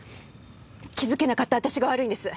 気づけなかった私が悪いんです。